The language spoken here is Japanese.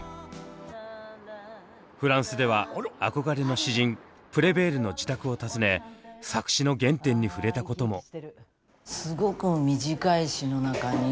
フランスでは憧れの詩人プレヴェールの自宅を訪ね作詞の原点に触れたことも。